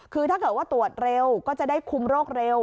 คือถ้าเกิดว่าตรวจเร็วก็จะได้คุมโรคเร็ว